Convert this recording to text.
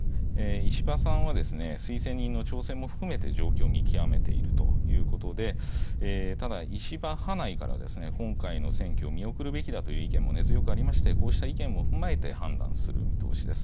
石破さんは推薦人の調整も含めて状況を見極めているということでただ石破派内では今回の選挙を見送るべきだという意見も根強くありましてこうした意見も踏まえて判断する見通しです。